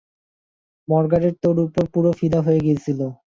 Margaret তোর ওপর পুরো ফিদা হয়ে গিয়েছিল।